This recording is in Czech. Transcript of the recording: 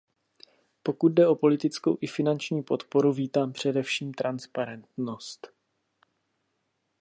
Pokud jde o politickou i finanční podporu, vítám především transparentnost.